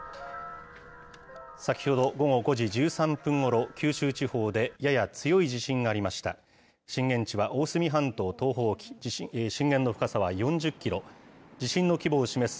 先ほど午後５時１３分ごろ、九州地方でやや強い地震がありました。